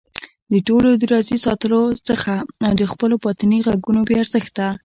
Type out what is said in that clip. د ټولو د راضي ساتلو حڅه او د خپلو باطني غږونو بې ارزښته